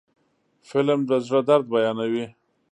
فلم د زړه درد بیانوي